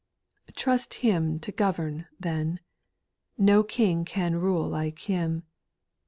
4. Trust Him to govern, then : No king can rule like Him.